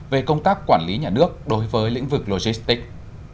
về công tác quản lý nhà nước đối với lĩnh vực logistics